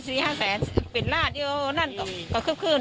๔๕แสนเป็นราชนั่นก็ขึ้น